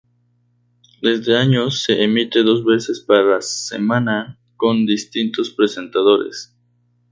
Desde años se emite dos veces para semana, con distintos presentadores.